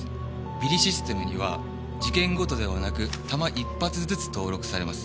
ＢＩＲＩシステムには事件ごとではなく弾１発ずつ登録されます。